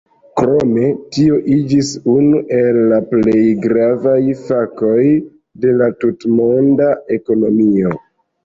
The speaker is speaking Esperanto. Krome tio iĝis unu el la plej gravaj fakoj de la tutmonda ekonomio.